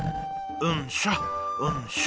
うんしょうんしょ。